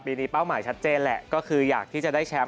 ปีนี้เป้าหมายชัดเจนแหละก็คืออยากที่จะได้แชมป์